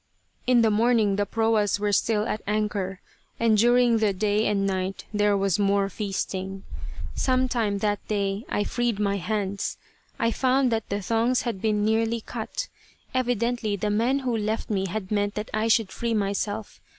In the morning the proas were still at anchor, and during the day and night there was more feasting. Sometime that day I freed my hands. I found that the thongs had been nearly cut. Evidently the men who left me had meant that I should free myself.